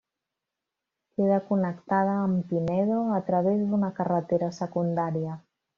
Queda connectada amb Pinedo a través d'una carretera secundària.